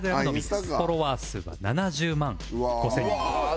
フォロワー数は７０万５０００人